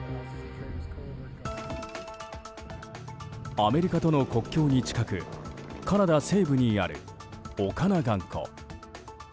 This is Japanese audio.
アメリカとの国境に近くカナダ西部にあるオカナガン湖。